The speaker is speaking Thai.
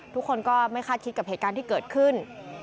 ทุกคนก็ไม่คาดคิดกับเหตุการณ์ที่เกิดขึ้น